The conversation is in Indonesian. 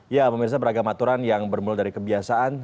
ya pemirsa beragam aturan yang bermula dari kebiasaan